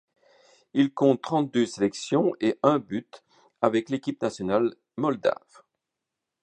Il compte trente-deux sélections et un but avec l'équipe nationale moldave.